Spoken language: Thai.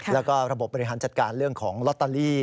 แล้วก็ระบบบบริหารจัดการเรื่องของลอตเตอรี่